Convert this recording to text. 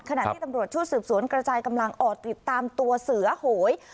ขณะที่ตำรวจชุดสืบสวนกระจายกำลังออกติดตามตัวเสือโหย